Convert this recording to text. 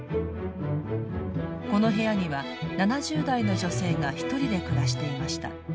この部屋には７０代の女性がひとりで暮らしていました。